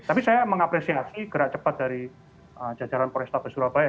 tapi saya mengapresiasi gerak cepat dari jajaran polrestabes surabaya